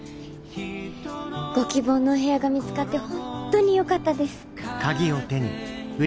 ご希望のお部屋が見つかって本当によかったです。